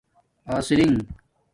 اسرنݣ